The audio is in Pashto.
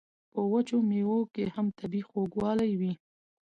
په وچو میوو کې هم طبیعي خوږوالی وي.